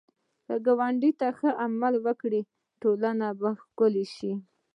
که ګاونډي ته ښه عمل وکړې، ټولنه به ښکلې شي